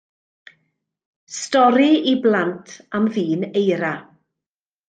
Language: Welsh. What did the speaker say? Stori i blant am ddyn eira.